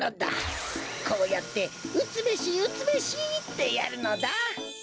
こうやって「うつべしうつべし」ってやるのだ。